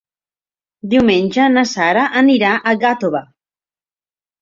Diumenge na Sara anirà a Gàtova.